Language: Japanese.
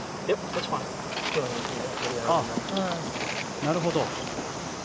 なるほど。